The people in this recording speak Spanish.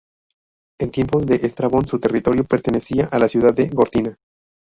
En tiempos de Estrabón su territorio pertenecía a la ciudad de Gortina.